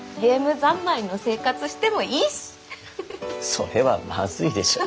それはまずいでしょう。